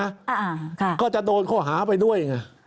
ไม่รู้ใครนะก็จะโดนข้อหาไปด้วย